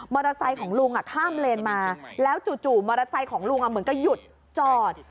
มอเตอร์ไซค์ของลุงอ่ะข้ามเลนมาแล้วจู่จู่มอเตอร์ไซค์ของลุงอ่ะเหมือนก็หยุดจอด